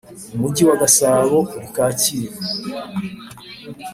Umujyi wa Gasabo uri kacyiru